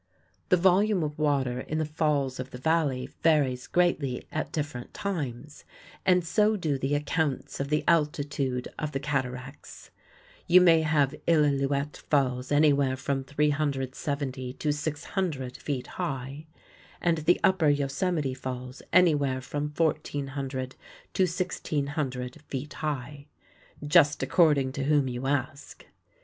The volume of water in the falls of the Valley varies greatly at different times and so do the accounts of the altitude of the cataracts. You may have Illilouette Falls anywhere from 370 to 600 feet high, and the Upper Yosemite Falls anywhere from 1,400 to 1,600 feet high just according to whom you ask.